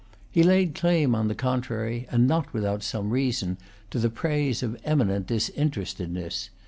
He laid claim, on the contrary, and not without some reason, to the praise of eminent disinterestedness.